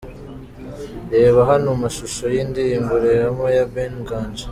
Reba hano amashusho y'indirimbo'Rehema' ya Ben Nganji .